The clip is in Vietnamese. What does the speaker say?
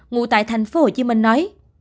ngủ tại thành phố hồ chí minh nói